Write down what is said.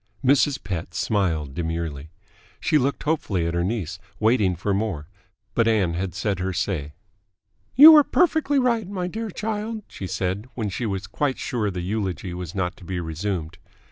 Mrs. Pett smiled demurely. She looked hopefully at her niece, waiting for more, but Ann had said her say. "You are perfectly right, my dear child," she said when she was quite sure the eulogy was not to be resumed.